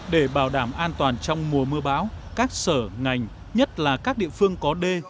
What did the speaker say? để bảo đảm an toàn trong mùa mưa bão các sở ngành nhất là các địa phương có đê